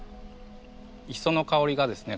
磯の香りがですね